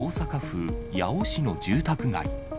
大阪府八尾市の住宅街。